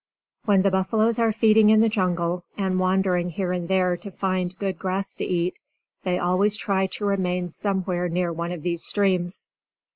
When the buffaloes are feeding in the jungle, and wandering here and there to find good grass to eat, they always try to remain somewhere near one of these streams.